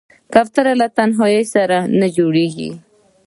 کوتره له تنهايي سره نه جوړېږي.